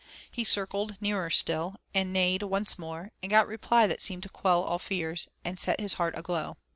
He circled nearer still, and neighed once more, and got reply that seemed to quell all fears, and set his heart aglow.